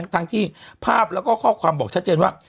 ทั้งที่ภาพแล้วก็ข้อความบอกชัดเจนว่า